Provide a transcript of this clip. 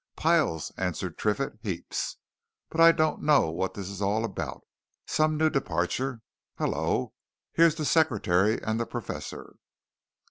"Piles!" answered Triffitt. "Heaps! But I don't know what this is all about. Some new departure. Hullo! here's the secretary and the Professor."